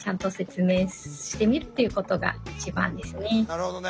なるほどね。